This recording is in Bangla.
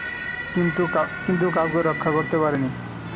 কিন্তু কাউকেই রক্ষা করতে পারেনি।